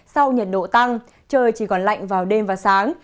sau nhiệt độ tăng trời chỉ còn lạnh vào đêm và sáng